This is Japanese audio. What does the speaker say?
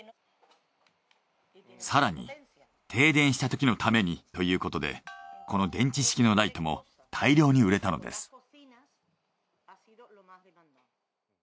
更に停電したときのためにということでこの電池式のライトも大量に売れたのです。